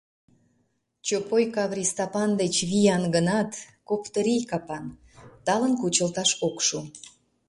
Чопой Каври Стапан деч виян гынат, коптырий капан, талын кучылташ ок шу.